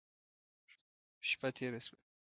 شپه تېره شوه.